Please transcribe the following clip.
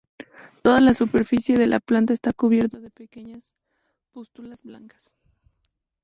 Toda la superficie de la planta está cubierta de pequeñas pústulas blancas.